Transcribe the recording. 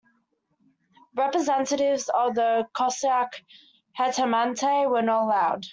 Representatives of the Cossack Hetmanate were not allowed.